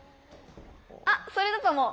あっそれだと思う。